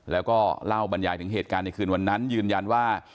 แล้วก็เล่าบรรยายถึงเหตุการณ์ในคืนวันนั้นยืนยันว่า